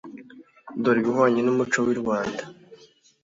Dukore ibihwanye n’umuco w’I Rwanda